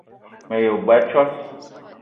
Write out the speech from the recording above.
Me yi wa ba a tsoss!